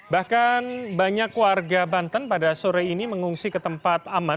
bahkan banyak warga banten pada sore ini mengungsi ke tempat aman